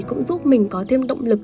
cũng giúp mình có thêm động lực